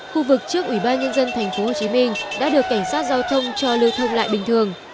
khu vực trước ủy ban nhân dân tp hcm đã được cảnh sát giao thông cho lưu thông lại bình thường